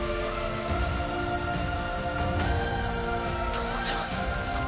父ちゃん